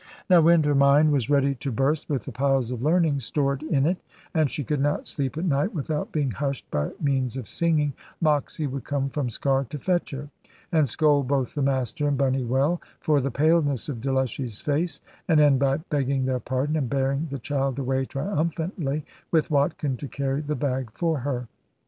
Now when her mind was ready to burst with the piles of learning stored in it, and she could not sleep at night without being hushed by means of singing, Moxy would come from Sker to fetch her, and scold both the Master and Bunny well, for the paleness of Delushy's face, and end by begging their pardon and bearing the child away triumphantly, with Watkin to carry the bag for her.